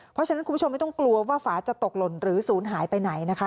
เพราะฉะนั้นคุณผู้ชมไม่ต้องกลัวว่าฝาจะตกหล่นหรือศูนย์หายไปไหนนะคะ